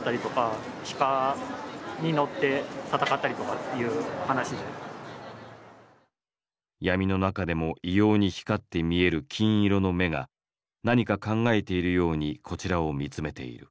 オーディブルで「闇の中でも異様に光って見える金色の目がなにか考えているようにこちらを見つめている。